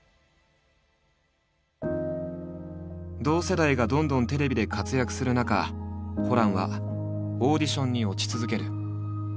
同世代がどんどんテレビで活躍する中ホランはオーディションに落ち続ける。